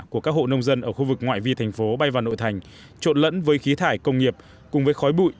của các hộ nông dân ở khu vực ngoại vi thành phố bay vào nội thành trộn lẫn với khí thải công nghiệp cùng với khói bụi